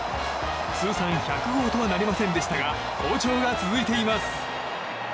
通算１００号とはなりませんでしたが好調が続いています。